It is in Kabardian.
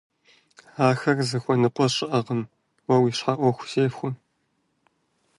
Ахэр зыхуэныкъуэ щыӀэкъым, уэ уи щхьэ Ӏуэху зехуэ.